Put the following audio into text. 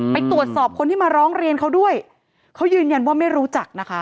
ไปตรวจสอบคนที่มาร้องเรียนเขาด้วยเขายืนยันว่าไม่รู้จักนะคะ